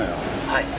はい。